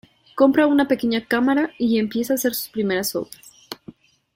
Compra una pequeña cámara y empieza a hacer sus primeras obras.